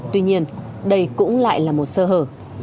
tuy nhiên đây cũng lại là một sơ hở